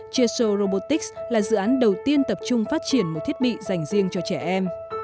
cheso robotics là dự án đầu tiên tập trung phát triển một thiết bị dành riêng cho trẻ em